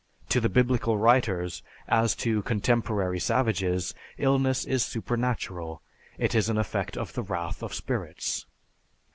To the Biblical writers, as to contemporary savages, illness is supernatural; it is an effect of the wrath of spirits.